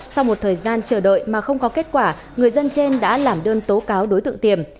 sau một thời gian chờ đợi mà không có kết quả người dân trên đã làm đơn tố cáo đối tượng tiềm